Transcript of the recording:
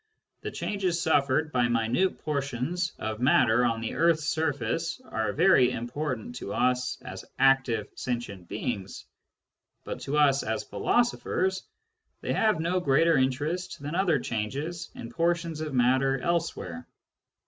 The changes suffered by minute portions of matter on the earth's surface are very important to us as active sentient beings ; but to us as philosophers they have no greater interest than other changes in portions of matter elsewhere.